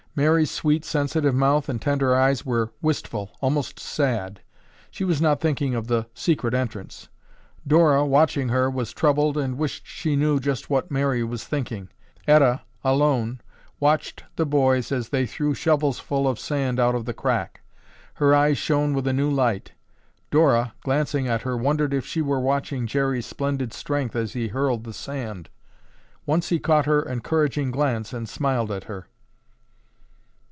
Mary's sweet sensitive mouth and tender eyes were wistful, almost sad. She was not thinking of the secret entrance. Dora, watching her, was troubled and wished she knew just what Mary was thinking. Etta, alone, watched the boys as they threw shovelsful of sand out of the crack. Her eyes shone with a new light. Dora, glancing at her, wondered if she were watching Jerry's splendid strength as he hurled the sand. Once he caught her encouraging glance and smiled at her.